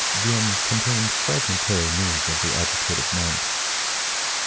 … Dien contained fragmentary news of the agitated night.